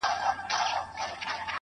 o زما ځوانمرگ وماته وايي.